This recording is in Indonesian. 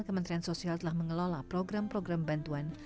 kementerian sosial telah mengelola program program bantuan